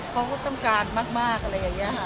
เขาก็ต้องการมากอะไรอย่างนี้ค่ะ